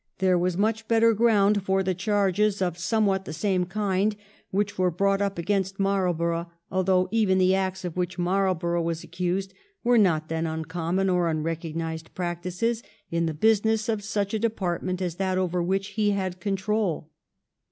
There was much better ground for the charges of somewhat the same kind which were brought up against Marlborough, although even the acts of which Marlborough was accused were not then uncommon or unrecognised practices in the business of such a department as that over which he had control.